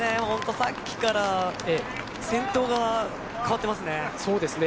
さっきから先頭が変わってますね。